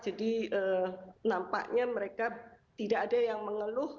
jadi nampaknya mereka tidak ada yang mengeluh